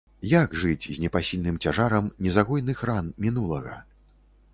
Як жыць з непасільным цяжарам незагойных ран мінулага?